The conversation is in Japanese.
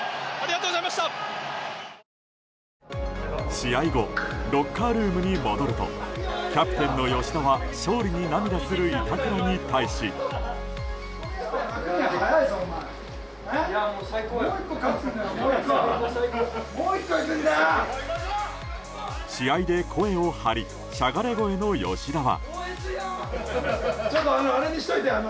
試合後ロッカールームに戻るとキャプテンの吉田は勝利に涙する板倉に対し。試合で声を張りしゃがれ声の吉田は。